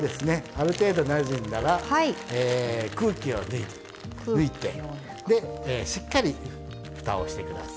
ある程度なじんだら空気を抜いてでしっかりふたをしてください。